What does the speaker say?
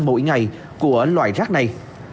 mỗi ngày của loại rác này